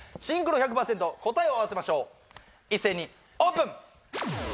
シンクロ１００％答えを合わせましょう一斉にオープン！